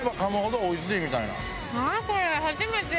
何これ初めてや。